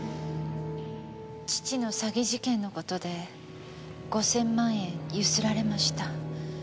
父の詐欺事件の事で５千万円ゆすられました。